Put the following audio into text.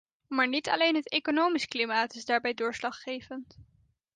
Maar niet alleen het economisch klimaat is daarbij doorslaggevend.